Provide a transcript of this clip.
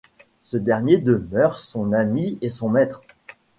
Ce dernier demeure son ami et son maître.